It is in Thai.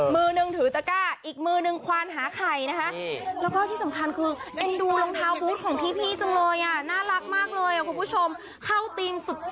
มือนึงถือตะก้าอีกมือนึงควานหาไข่นะคะแล้วก็ที่สำคัญคือเอ็นดูรองเท้าบูธของพี่จังเลยอ่ะน่ารักมากเลยคุณผู้ชมเข้าธีมสุด